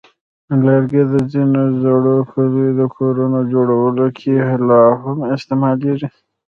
لرګي د ځینو زړو کلیو د کورونو جوړولو کې لا هم استعمالېږي.